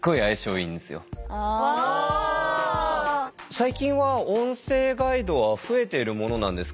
最近は音声ガイドは増えてるものなんですかね。